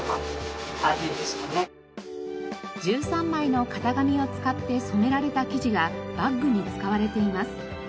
１３枚の型紙を使って染められた生地がバッグに使われています。